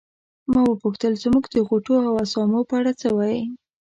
ما وپوښتل زموږ د غوټو او اسامو په اړه څه وایې.